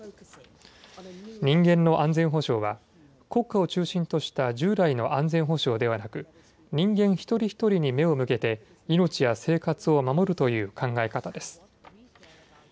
人間の安全保障は国家を中心とした従来の安全保障ではなく人間一人一人に目を向けて命や生活を守るという考え方です。